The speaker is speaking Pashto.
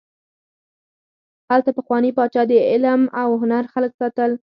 هلته پخواني پاچا د علم او هنر خلک ساتل.